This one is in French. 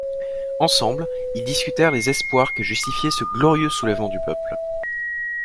Ensemble ils discutèrent les espoirs que justifiait ce glorieux soulèvement du peuple.